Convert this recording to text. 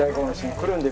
くるんで？